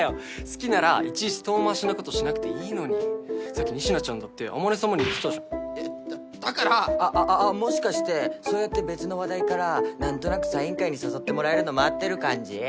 好きならいちいち遠回しなことしなくていいのにさっき仁科ちゃんだって天音さまに言ってたじゃんえっだだからあっもしかしてそうやって別の話題からなんとなくサイン会に誘ってもらえるの待ってる感じ？